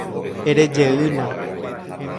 Erejeýna